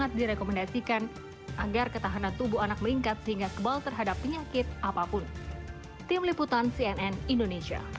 jadi rekomendasikan agar ketahanan tubuh anak meningkat sehingga kebal terhadap penyakit apapun